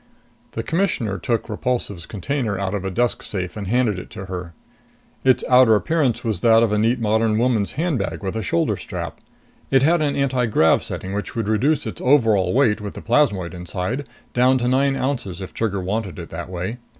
The Commissioner took Repulsive's container out of a desk safe and handed it to her. Its outer appearance was that of a neat modern woman's handbag with a shoulder strap. It had an antigrav setting which would reduce its overall weight, with the plasmoid inside, down to nine ounces if Trigger wanted it that way.